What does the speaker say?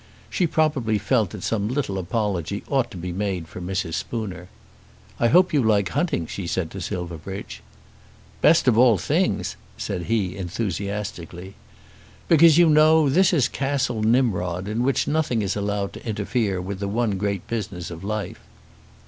She probably felt that some little apology ought to be made for Mrs. Spooner. "I hope you like hunting," she said to Silverbridge. "Best of all things," said he, enthusiastically. "Because you know this is Castle Nimrod, in which nothing is allowed to interfere with the one great business of life."